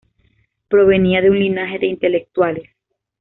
Provenía de un linaje de intelectuales.